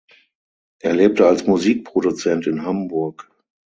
Er lebte als Musikproduzent in Hamburg.